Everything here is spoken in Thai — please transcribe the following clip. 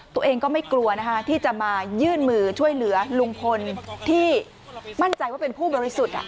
ตัวเองก็ไม่กลัวนะคะที่จะมายื่นมือช่วยเหลือลุงพลที่มั่นใจว่าเป็นผู้บริสุทธิ์